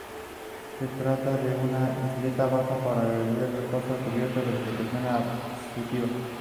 Se trata de una isleta baja pero agreste, rocosa y cubierta de vegetación arbustiva.